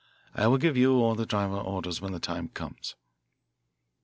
I will give you or the driver orders when the time comes."